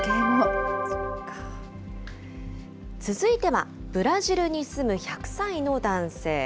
続いては、ブラジルに住む１００歳の男性。